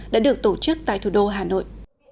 đã được tổ chức tại thủ đô hà nội